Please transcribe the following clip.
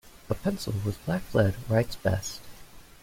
A pencil with black lead writes best.